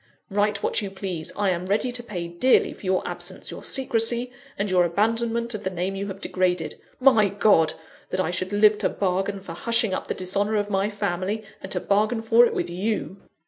Write what you please; I am ready to pay dearly for your absence, your secrecy, and your abandonment of the name you have degraded. My God! that I should live to bargain for hushing up the dishonour of my family, and to bargain for it with _you.